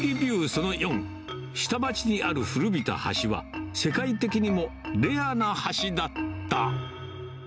その４、下町にある古びた橋は、世界的にもレアな橋だった！